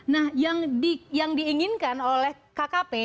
nah yang diinginkan oleh kkp